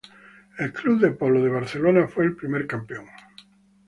El Real Club de Polo de Barcelona fue el primer campeón.